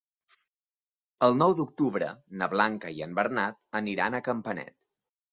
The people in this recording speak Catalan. El nou d'octubre na Blanca i en Bernat aniran a Campanet.